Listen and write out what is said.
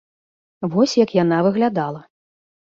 Вось як яна выглядала.